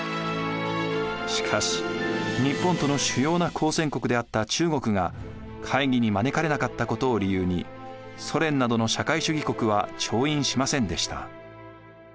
しかし日本との主要な交戦国であった中国が会議に招かれなかったことを理由にソ連などの社会主義国は調印しませんでした。